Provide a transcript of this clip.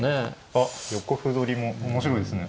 あっ横歩取りも面白いですね。